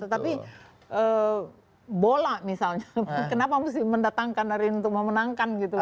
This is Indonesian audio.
tetapi bola misalnya kenapa mesti mendatangkan hari ini untuk memenangkan gitu